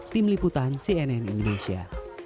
tim liputan cnn indonesia